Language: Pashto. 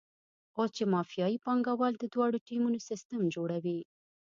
اوس چې مافیایي پانګوال د دواړو ټیمونو سیستم جوړوي.